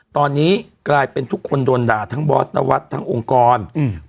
ตอนนี้กลายเป็นทุกคนโดนด่าทั้งบอสนวัฒน์ทั้งองค์กรอืม